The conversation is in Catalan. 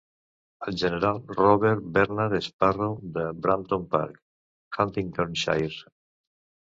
El general Robert Bernard Sparrow de Brampton Park (Huntingdonshire).